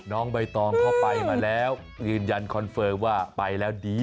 น้องใบตองเข้าไปมาแล้วยืนยันคอนเฟิร์มว่าไปแล้วดี